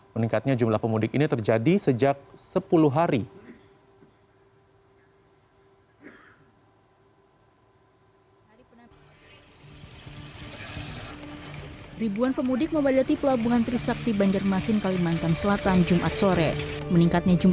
meningkatnya jumlah pemudik ini terjadi sejak sepuluh hari